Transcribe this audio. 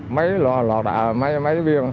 mấy lò đạ mấy viên